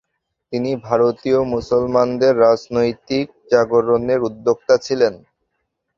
তিনি ভারতীয় মুসলমানদের রাজনৈতিক জাগরণের উদ্যোক্তা ছিলেন।